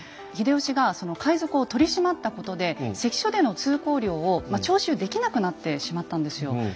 秀吉が海賊を取り締まったことで関所での通行料を徴収できなくなってしまったんですよ。